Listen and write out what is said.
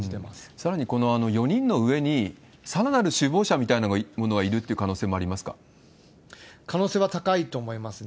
さらにこの４人の上にさらなる首謀者みたいな者がいるという可能性は高いと思いますね。